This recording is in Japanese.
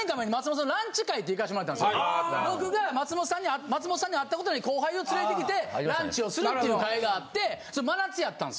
・僕が松本さんに会ったことない後輩を連れてきてランチをするっていう会があってそれ真夏やったんですよ。